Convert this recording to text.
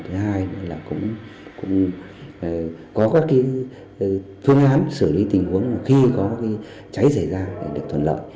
thứ hai nữa là cũng có các phương án xử lý tình huống khi có cháy xảy ra được thuận lợi